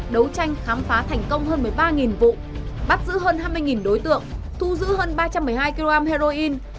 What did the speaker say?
đấu tranh khám phá thành công hơn một mươi ba vụ bắt giữ hơn hai mươi đối tượng thu giữ hơn ba trăm một mươi hai kg heroin